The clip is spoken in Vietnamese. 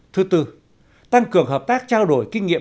thứ tư tăng cường hợp tác trao đổi kinh nghiệm